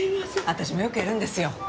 私もよくやるんですよ。